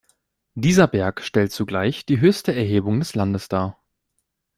Dieser Berg stellt zugleich die höchste Erhebung des Landes dar.